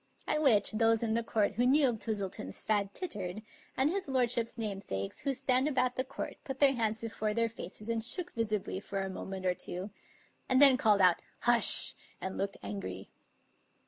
At which those in the court 300 Mr. Twistleton*s Typewriter who knew of Twistleton's fad tittered; and his lordship's namesakes who stand about the court put their hands be fore their faces and shook visibly for a moment or two^ and then called out "Hush!" and looked angry.